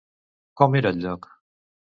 Com era el lloc?